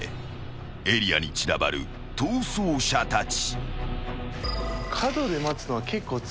エリアに散らばる逃走者たち］